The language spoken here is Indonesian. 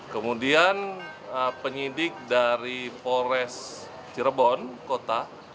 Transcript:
kemudian penyidik dari polres cirebon kota